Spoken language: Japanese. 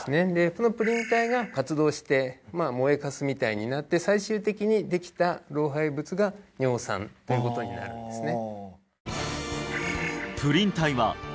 このプリン体が活動して燃えかすみたいになって最終的にできた老廃物が尿酸ということになるんですね